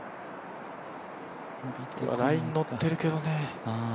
ラインにのってるけどね。